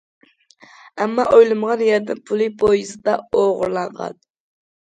ئەمما ئويلىمىغان يەردىن پۇلى پويىزدا ئوغرىلانغان.